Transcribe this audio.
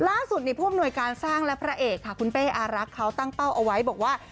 ล่าสุดผู้อำนวยการสร้างและพระเอกค่ะคุณเป้อารักษ์เขาตั้งเป้าเอาไว้บอกว่า